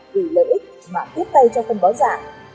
vì lợi ích mà tiếp tay cho phân bón giả